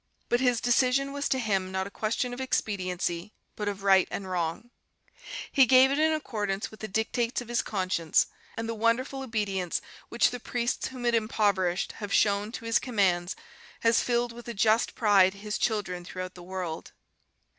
But his decision was to him not a question of expediency, but of right and wrong. He gave it in accordance with the dictates of his conscience, and the wonderful obedience which the priests whom it impoverished have shown to his commands has filled with a just pride his children throughout the world